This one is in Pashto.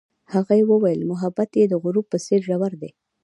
هغې وویل محبت یې د غروب په څېر ژور دی.